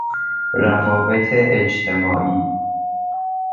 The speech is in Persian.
روابط اجتماعی